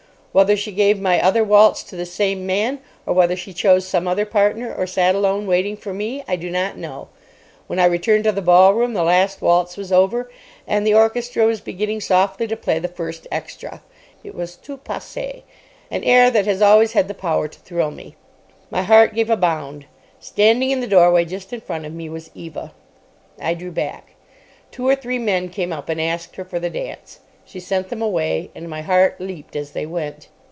Whether she gave my other waltz to the same man, or whether she chose some other partner, or sat alone waiting for me, I do not know. When I returned to the ballroom the last waltz was over, and the orchestra was beginning softly to play the first extra. It was "Tout Passe," an air that has always had the power to thrill me. My heart gave a bound. Standing in the doorway just in front of me was Eva. I drew back. Two or three men came up, and asked her for the dance. She sent them away, and my heart leaped as they went.